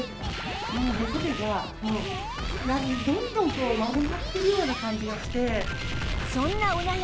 その猫背がもうどんどん丸まってような感じがして。